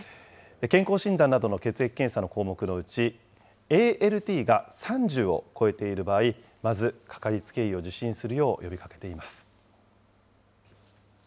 健康診断などの血液検査の項目のうち、ＡＬＴが３０を超えている場合、まず、かかりつけ医を受診するよう呼びかけています。